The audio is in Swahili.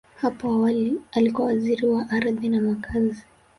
Hapo awali, alikuwa Waziri wa Ardhi na Makazi.